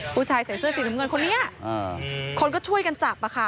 ผู้ชายใส่เสื้อสีน้ำเงินคนนี้คนก็ช่วยกันจับ